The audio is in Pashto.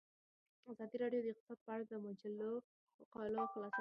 ازادي راډیو د اقتصاد په اړه د مجلو مقالو خلاصه کړې.